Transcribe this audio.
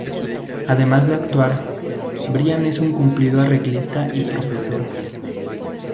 Además de actuar, Brian es un cumplido arreglista y profesor.